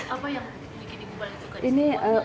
apa yang dikini paling suka di semua